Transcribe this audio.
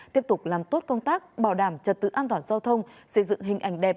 tiếp tục làm tốt công tác bảo đảm trật tự an toàn giao thông xây dựng hình ảnh đẹp